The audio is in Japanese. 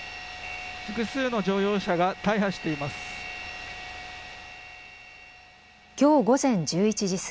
複数の乗用車が大破しています。